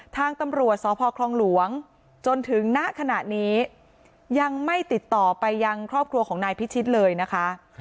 ทางตำรวจสพคลองหลวงจนถึงณขณะนี้ยังไม่ติดต่อไปยังครอบครัวของนายพิชิตเลยนะคะ